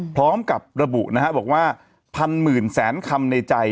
พร้อมกับระบุนะฮะบอกว่าพันหมื่นแสนคำในใจ